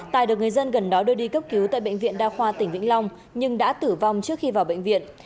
tài được người dân gần đó đưa đi cấp cứu tại bệnh viện đa khoa tỉnh vĩnh long nhưng đã tử vong trước khi vào bệnh viện